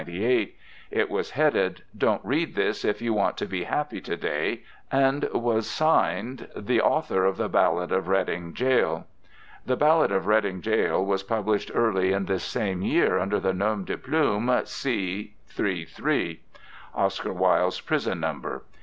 It was headed: 'Don't Read This if You Want to be Happy To day,' and was signed 'The Author of The Ballad of Reading Gaol.' The Ballad of Reading Gaol was published early in this same year under the nom de plume 'C.3.3.,' Oscar Wilde's prison number.